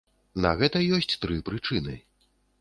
На гэта ёсць тры прычыны.